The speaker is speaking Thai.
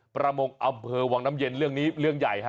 ประมงอำเภอวังน้ำเย็นเรื่องนี้เรื่องใหญ่ฮะ